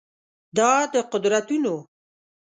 دا د قدرتونو